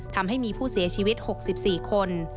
ทำให้มีผู้เสียชีวิต๖๔คน